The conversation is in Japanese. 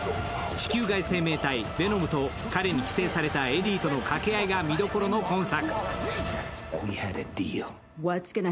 地球外生命体ヴェノムと彼に寄生されたエディとの掛け合いが見どころの今作。